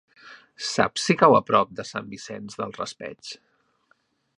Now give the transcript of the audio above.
Saps si cau a prop de Sant Vicent del Raspeig?